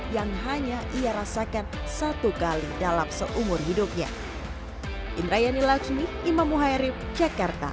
yang hanya ia rasakan satu kali dalam seumur hidupnya